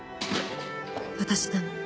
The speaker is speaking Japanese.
私なの。